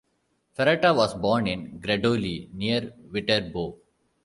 Ferrata was born in Gradoli, near Viterbo.